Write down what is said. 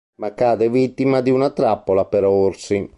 Ma cade vittima di una trappola per orsi.